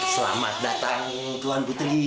selamat datang tuhan putri